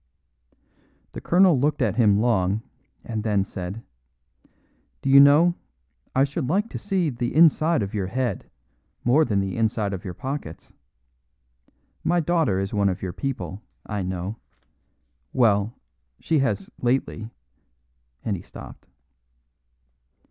The colonel looked at him long, and then said, "Do you know, I should like to see the inside of your head more than the inside of your pockets. My daughter is one of your people, I know; well, she has lately " and he stopped.